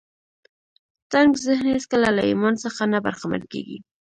تنګ ذهن هېڅکله له ايمان څخه نه برخمن کېږي.